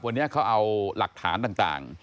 วันนี้เขาเอาหลักฐานต่าง